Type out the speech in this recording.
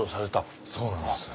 そうなんです。